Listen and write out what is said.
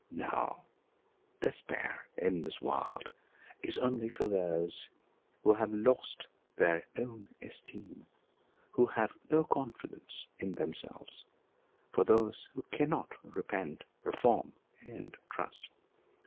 "No, despair in this world is only for those who have lost their own esteem, who have no confidence in themselves, for those who cannot repent, reform, and trust.